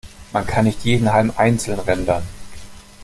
Man kann nicht jeden Halm einzeln rendern.